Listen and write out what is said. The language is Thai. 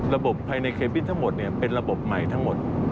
ระบบภายในเคบินทั้งหมดเป็นระบบใหม่ทั้งหมด